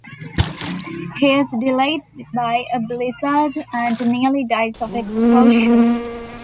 He is delayed by a blizzard, and nearly dies of exposure.